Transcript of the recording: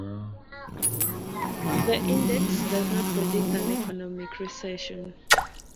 The index does not predict an economic recession.